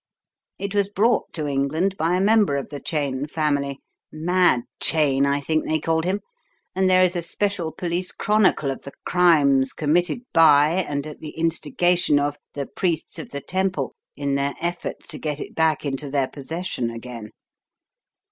It was brought to England by a member of the Cheyne family — 'Mad Cheyne' I think they called him — and there is a special police chronicle of the crimes committed by, and at the instigation of, the priests of the temple in their efforts to get it back into their possession again.